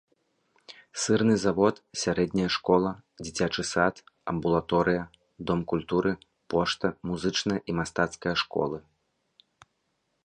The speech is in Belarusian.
Сырны завод, сярэдняя школа, дзіцячы сад, амбулаторыя, дом культуры, пошта, музычная і мастацкая школы.